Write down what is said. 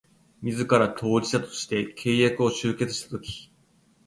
自ら当事者として契約を締結したとき